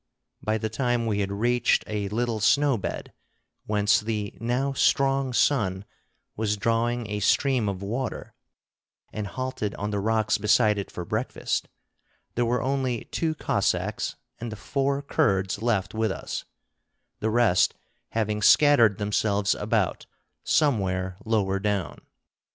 By the time we had reached a little snow bed whence the now strong sun was drawing a stream of water, and halted on the rocks beside it for breakfast, there were only two Cossacks and the four Kurds left with us, the rest having scattered themselves about somewhere lower down.